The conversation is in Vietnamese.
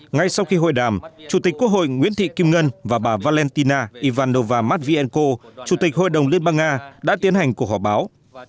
ngay sau khi hội đàm chủ tịch quốc hội nguyễn thị kim ngân và bà valentina ivanova mát viên cô chủ tịch hội đồng liên bang nga đã tiến hành cuộc họp báo